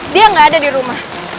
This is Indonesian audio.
dia nggak ada di rumah